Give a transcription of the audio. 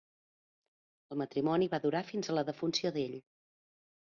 El matrimoni va durar fins a la defunció d'ell.